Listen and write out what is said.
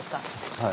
はい。